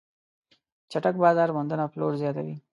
چټک بازار موندنه پلور زیاتوي.